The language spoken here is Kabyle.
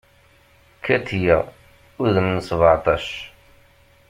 Katiya, udem n sbeɛtac.